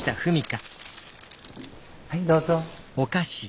はいどうぞ。